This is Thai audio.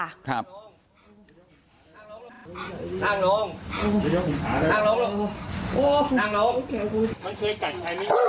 นั่งลงนั่งลงลงนั่งลงมันเคยกัดใช่มั้ย